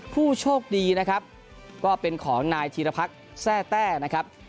ผู้โชคดีนะครับก็เป็นของนายธีรพักษ์แทร่แต้นะครับ